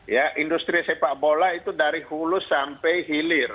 ya industri sepak bola itu dari hulu sampai hilir